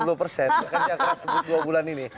bahkan yang keras sebulan bulan ini